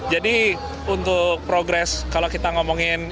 jadi untuk progres kalau kita ngomongin